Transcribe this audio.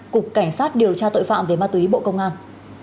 cục cảnh sát điều tra tội phạm về ma túy bộ công an